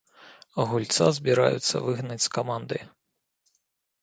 Гульца збіраюцца выгнаць з каманды.